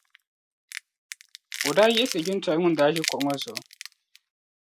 O daa yiɣisi jintɔra ŋun daa ʒi kuɣu ŋɔ zuɣu..